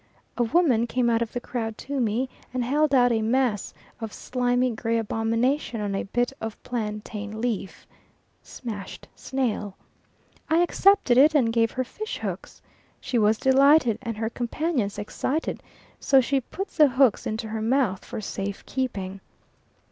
A woman came out of the crowd to me, and held out a mass of slimy gray abomination on a bit of plantain leaf smashed snail. I accepted it and gave her fish hooks. She was delighted and her companions excited, so she put the hooks into her mouth for safe keeping.